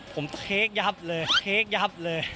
ผมเทคยับเลยเค้กยับเลย